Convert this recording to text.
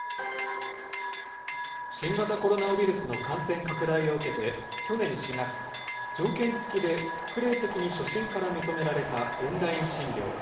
新型コロナウイルスの感染拡大を受けて、去年４月、条件付きで特例的に初診から認められたオンライン診療。